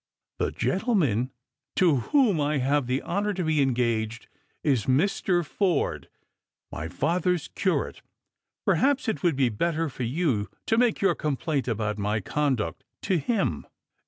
The gentleman to whom I have the honour to be engaged ia Mr. Forde, my father's curate. Perhaps it would be better for you to make your complaint about my conduct to him."